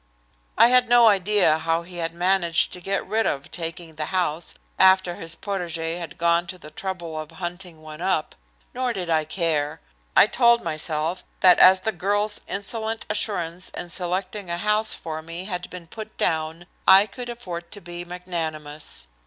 I had no idea how he had managed to get rid of taking the house after his protégé had gone to the trouble of hunting one up, nor did I care. I told myself that as the girl's insolent assurance in selecting a house for me had been put down I could afford to be magnanimous.